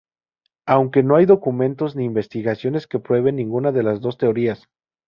Aunque no hay documentos ni investigaciones que prueben ninguna de las dos teorías.